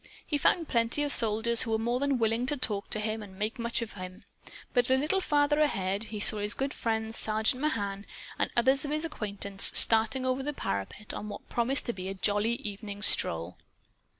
He found plenty of soldiers who were more than willing to talk to him and make much of him. But, a little farther ahead, he saw his good friend, Sergeant Mahan, and others of his acquaintances, starting over the parapet on what promised to be a jolly evening stroll.